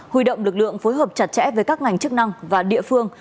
huy động lực lượng phối hợp chặt chẽ với các ngành chức năng và địa phương